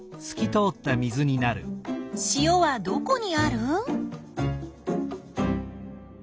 塩はどこにある？